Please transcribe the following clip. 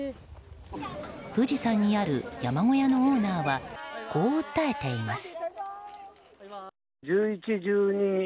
富士山にある山小屋のオーナーはこう訴えています。